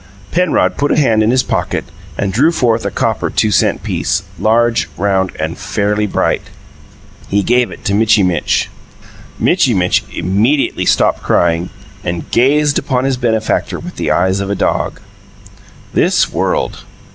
Penrod put a hand in his pocket and drew forth a copper two cent piece, large, round, and fairly bright. He gave it to Mitchy Mitch. Mitchy Mitch immediately stopped crying and gazed upon his benefactor with the eyes of a dog. This world!